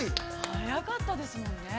◆早かったですもんね。